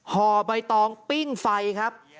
ห่อใบตองปิ้งไฟครับ